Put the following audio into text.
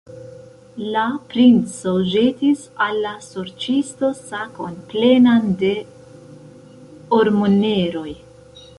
La princo ĵetis al la sorĉisto sakon, plenan de ormoneroj.